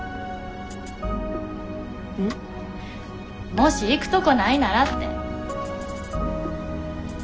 もし行くとこないならって。